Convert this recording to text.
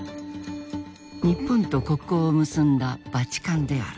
日本と国交を結んだバチカンである。